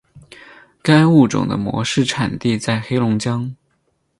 该物种的模式产地在黑龙江。